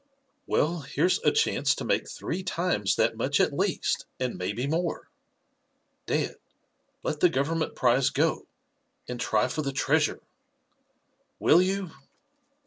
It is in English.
"Well, here's a chance to make three times that much at least, and maybe more. Dad, let the Government prize go, and try for the treasure. Will you?"